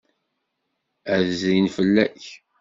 Ad d-zrin fell-ak.